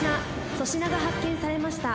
粗品が発見されました。